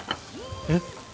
えっ？